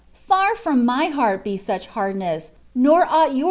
Far from my heart he such hardness, nor ought your